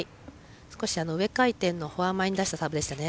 上回転のフォア目に出したサーブでしたね。